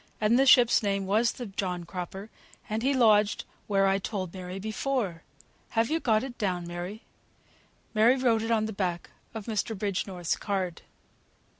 "And the ship's name was the John Cropper, and he lodged where I told Mary before. Have you got it down, Mary?" Mary wrote it on the back of Mr. Bridgenorth's card.